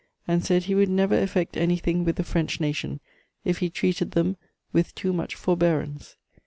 and said he would never effect anything with the French nation if he treated them with too much forbearance.